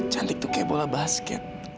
cantik tuh kayak bola basket